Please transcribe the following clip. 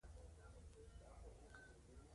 چېرته چې محدودیت وي کله پرمختګ هم نشته.